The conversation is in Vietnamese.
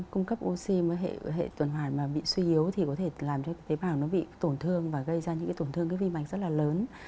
cung cấp oxy với hệ tuần hoàn mà bị suy yếu thì có thể làm cho tế bào nó bị tổn thương và gây ra những cái tổn thương cái vi mảnh rất là lớn